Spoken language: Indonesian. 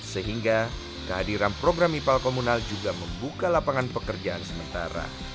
sehingga kehadiran program ipal komunal juga membuka lapangan pekerjaan sementara